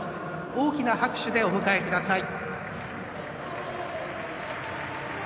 大きな拍手でお迎えください。